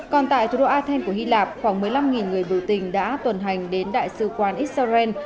còn tại thủ đô athen của hy lạp khoảng một mươi năm người biểu tình đã tuần hành đến đại sứ quán israel